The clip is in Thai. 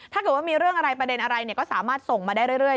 ถ้าเกิดว่ามีเรื่องอะไรประเด็นอะไรก็สามารถส่งมาได้เรื่อย